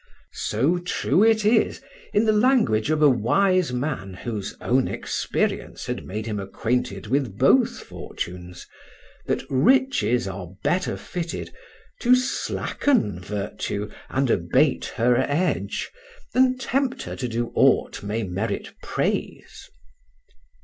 So true it is, in the language of a wise man whose own experience had made him acquainted with both fortunes, that riches are better fitted To slacken virtue, and abate her edge, Than tempt her to do ought may merit praise.